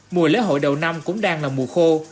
mùa lễ hội đầu năm cũng đang là mùa khô